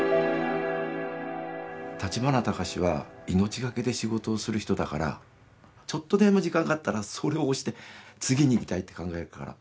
立花隆は命懸けで仕事をする人だからちょっとでも時間があったらそれを押して次に行きたいって考えるから。